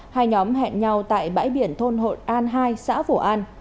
hai nhóm hẹn nhau tại bãi biển thôn hội an hai xã phổ an